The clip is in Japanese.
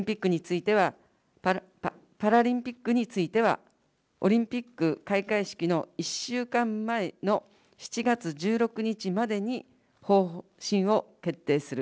パラリンピックについては、オリンピック開会式の１週間前の７月１６日までに方針を決定する。